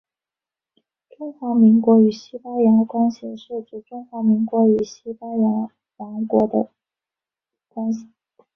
中华民国与西班牙关系是指中华民国与西班牙王国之间的关系。